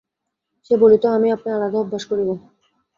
সে বলিত, আমি আপনি আলাদা অভ্যাস করিব।